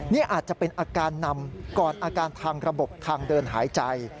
นี่อาจจะเป็นอาการนำก่อนอาการทางระบบทางเดินหายใจ